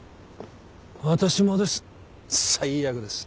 私もです。